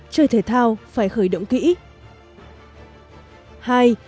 một chơi thể thao phải khởi động kỹ